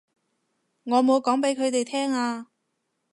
我冇講畀佢哋聽啊